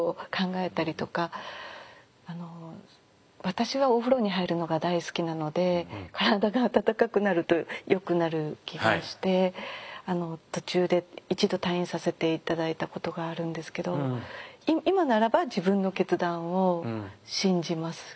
私はお風呂に入るのが大好きなので体が温かくなるとよくなる気がして途中で一度退院させて頂いたことがあるんですけど今ならば自分の決断を信じます。